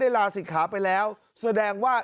มีพฤติกรรมเสพเมถุนกัน